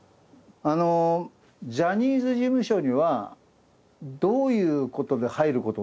あのジャニーズ事務所にはどういうことで入ることになったの？